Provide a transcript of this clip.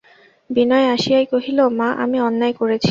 বিনয় আসিয়াই কহিল, মা, আমি অন্যায় করেছি।